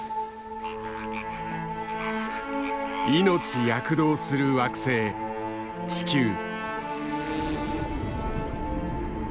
命躍動する惑星地球。